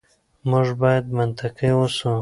موږ بايد منطقي اوسو.